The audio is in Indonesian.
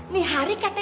nihari kata dia